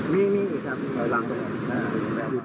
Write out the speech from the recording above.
มีอีกครับหลังตรงนี้